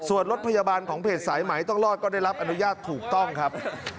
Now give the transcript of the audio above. ส่วนรถพยาบาลของเพจสายไหมต้องรอดก็ได้รับอนุญาตถูกต้องครับ